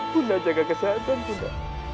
bunda jaga kesehatan bunda